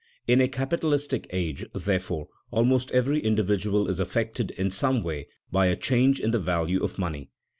In a capitalistic age, therefore, almost every individual is affected in some way by a change in the value of money.